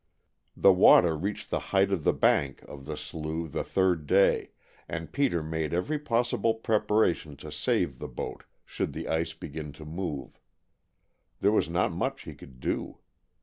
The water reached the height of the bank of the slough the third day, and Peter made every possible preparation to save the boat should the ice begin to move. There was not much he could do.